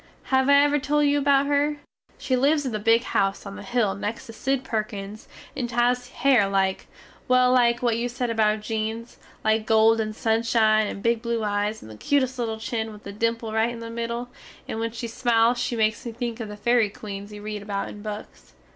Have I ever tole you about her? She lives in the big house on the hill next to Sid Perkins and she has hare like, well like what you sed about Jean's, like gold and sunshine, and big blue eyes and the cutest little chin with a dimple rite in the middle, and when she smiles she makes me think of the ferry queens you read about in books.